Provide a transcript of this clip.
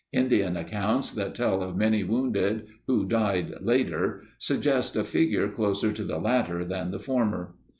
Indian accounts that tell of many wounded who died later suggest a figure closer to the latter than the former.